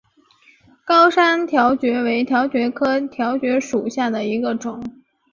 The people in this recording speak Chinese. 高山条蕨为条蕨科条蕨属下的一个种。